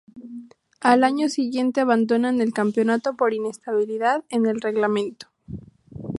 Al año siguiente abandonan el campeonato por inestabilidad en el reglamento.